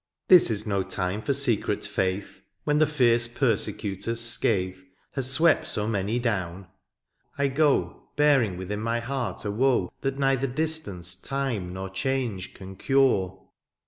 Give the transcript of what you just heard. THE AREOPAGITE. 87 ^^ This is no time for secret £aith^ " When the fierce persecutor's scath ^^ Hath swept so many down : I go '' Bearing within my heart a woe, ^^ That neither distance, time, nor change " Can cure.